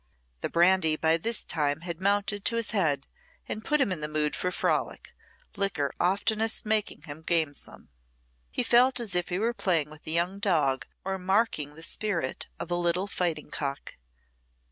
The brandy by this time had mounted to his head and put him in the mood for frolic, liquor oftenest making him gamesome. He felt as if he were playing with a young dog or marking the spirit of a little fighting cock.